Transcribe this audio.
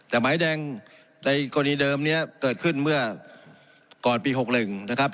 แต่หมายแดงในกรณีเดิมนี้เกิดขึ้นเมื่อก่อนปี๖๑นะครับ